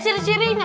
semua kucing bisa